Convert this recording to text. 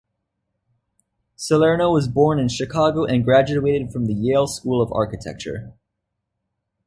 Salerno was born in Chicago and graduated from the Yale School of Architecture.